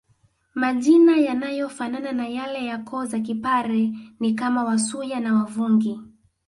Majina yanayofanana ya yale ya koo za kipare ni kama Wasuya na Wavungi